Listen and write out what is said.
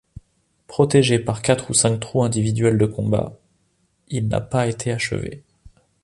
Protégé par quatre ou cinq trous individuels de combat, il n'a pas été achevé.